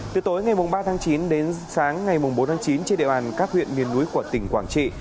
từ tối ngày ba tháng chín đến sáng ngày bốn tháng chín trên địa bàn các huyện miền núi của tỉnh quảng trị